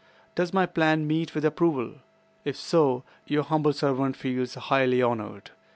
Does my plan meet with approval? If so, your humble servant feels highly honored."